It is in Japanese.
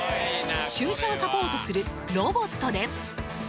駐車をサポートするロボットです！